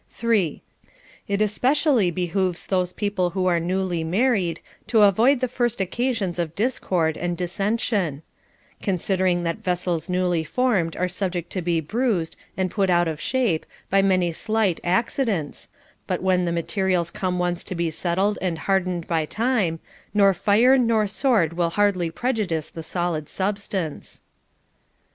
3. It especially behooves those people who are newly married to avoid the first occasions of discord and dissen sion ; considering that vessels newly formed are subject to be bruised and put out of shape by many slight accidents, but when the materials come once to be settled and hard ened by time, nor fire nor sword will hardly prejudice the solid substance.